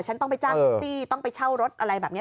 ฉันต้องไปจ้างแท็กซี่ต้องไปเช่ารถอะไรแบบนี้